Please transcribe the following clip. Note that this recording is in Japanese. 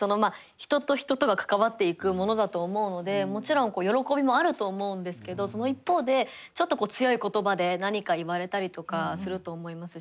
人と人とが関わっていくものだと思うのでもちろん喜びもあると思うんですけどその一方でちょっと強い言葉で何か言われたりとかすると思いますし。